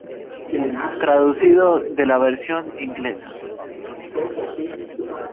Traducido de la versión inglesa